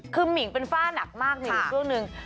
คือมี๋งเป็นฝ้าหนักมากมี๋งช่วงหนึ่ง